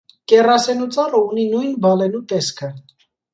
Կեռասենու ծառը ունի նույն բալենու տեսքը։